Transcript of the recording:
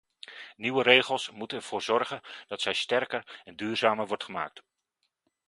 Nieuwe regels moeten ervoor zorgen dat zij sterker en duurzamer wordt gemaakt.